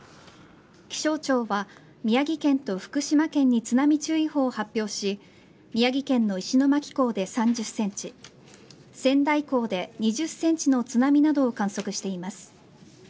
気象庁は、宮城県と福島県に津波注意報を発表し宮城県の石巻港で３０センチ仙台港で２０センチの津波などを観測しています。